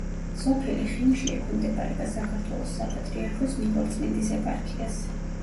სოფელი ხიმში ექვემდებარება საქართველოს საპატრიარქოს ნიკორწმინდის ეპარქიას.